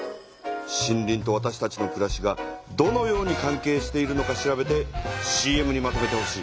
森林とわたしたちのくらしがどのように関係しているのか調べてＣＭにまとめてほしい。